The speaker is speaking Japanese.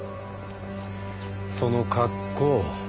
その格好。